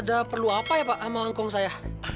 ada perlu apa ya pak sama aung kong saya